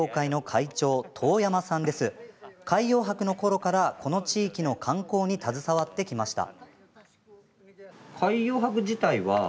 海洋博のころからこの地域の観光に携わってきました。